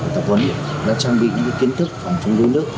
tập huấn đã trang bị những kiến thức phòng chống đuối nước